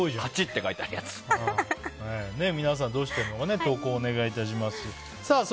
皆さん、どうしているか投稿をお願いします。